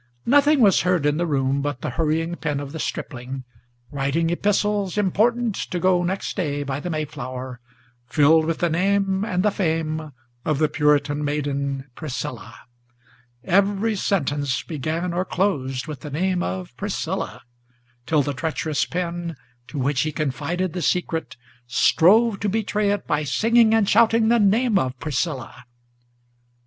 Nothing was heard in the room but the hurrying pen of the stripling Writing epistles important to go next day by the Mayflower, Filled with the name and the fame of the Puritan maiden Priscilla; Every sentence began or closed with the name of Priscilla, Till the treacherous pen, to which he confided the secret, Strove to betray it by singing and shouting the name of Priscilla!